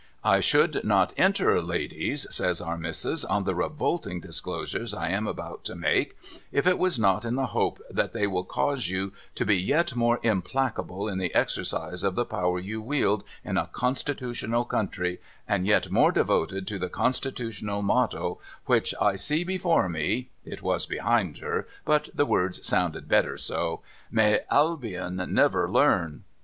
' I should not enter, ladies,' says Our Missis, ' on the revolting disclosures I am about to make, if it was not in the hope that they will cause you to be yet more implacable in the exercise of the power you wield in a constitutional country, and yet more devoted to the constitutional motto which I see before me,'— it was behind her, but the words sounded better so, —'" May Albion never learn